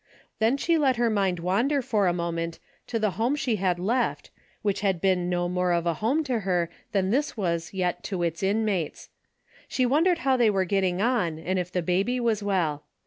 Then she let her mind wander for a moment to the home she had left which had been no more of a home to her than this was yet to its inmates. She wondered how they were getting on, and if the baby was well.